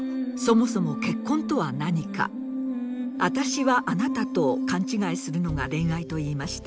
“あたしはあなた”と勘違いするのが恋愛と言いました。